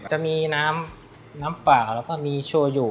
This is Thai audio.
จะมีน้ำเปล่าแล้วก็มีโชยู